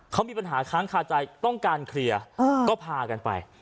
เขามีปัญหาค้างคาใจต้องการเคลียร์ก็พากันไป